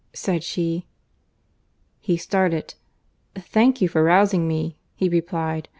said she. He started. "Thank you for rousing me," he replied.